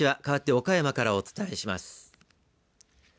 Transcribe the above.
かわって岡山からお伝えします。